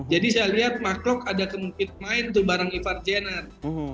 jadi saya lihat mark klok ada kemungkinan main bareng ivar jenner